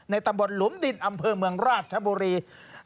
ตำบลหลุมดินอำเภอเมืองราชบุรี